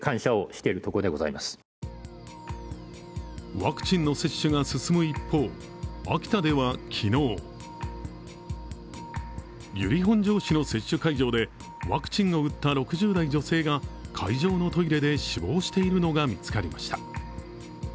ワクチンの接種が進む一方、秋田では昨日、由利本荘市の接種会場でワクチンを打った６０代の女性が会場のトイレで死亡しているのが見つかりました。